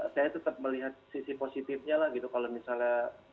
saya tetap melihat sisi positifnya lah gitu kalau misalnya